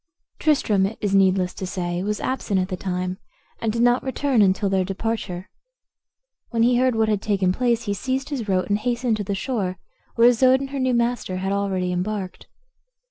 Tristram, it is needless to say, was absent at the time, and did not return until their departure. When he heard what had taken place he seized his rote, and hastened to the shore, where Isoude and her new master had already embarked.